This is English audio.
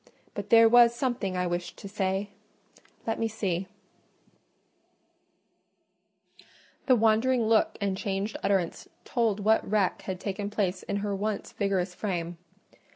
But there was something I wished to say—let me see—" The wandering look and changed utterance told what wreck had taken place in her once vigorous frame.